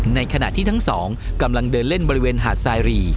ในขณะที่ทั้งสองกำลังเดินเล่นบริเวณหาดสายรี